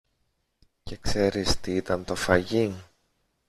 Και ξέρεις τι ήταν το φαγί